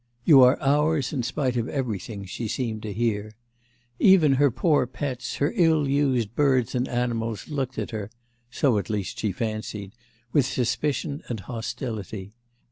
'You are ours in spite of everything,' she seemed to hear. Even her poor pets, her ill used birds and animals looked at her so at least she fancied with suspicion and hostility.